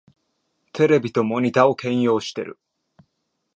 テレビとモニタを兼用してる